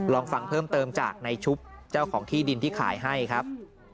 ลองฟังเพิ่มเติมจากในชุบเจ้าของที่ดินที่ขายให้ครับ